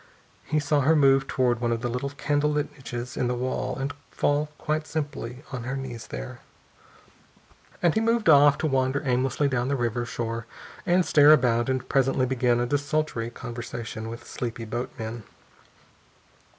He saw her move toward one of the little candle lit niches in the wall and fall quite simply on her knees there. And he moved off, to wander aimlessly down to the river shore and stare about and presently begin a desultory conversation with sleepy boatmen.